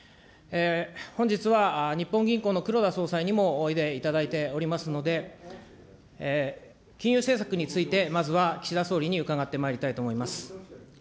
本日は日本銀行の黒田総裁にもおいでいただいておりますので、金融政策について、まずは岸田総理に伺ってまいりたいと思います。